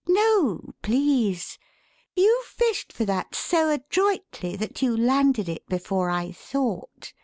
"No please! You fished for that so adroitly that you landed it before I thought.